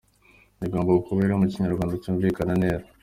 Igomba kuba iri mu Kinyarwanda cyumvikana neza.